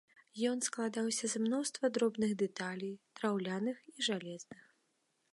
Ён складаўся з мноства дробных дэталей, драўляных і жалезных.